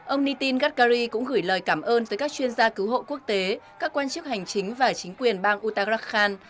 ông nitin gatkari cũng gửi lời cảm ơn tới các chuyên gia cứu hộ quốc tế các quan chức hành chính và chính quyền bang uttarakhand